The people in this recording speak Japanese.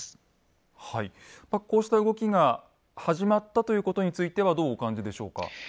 こうした動きが始まったということについてはどうお感じでしょうか。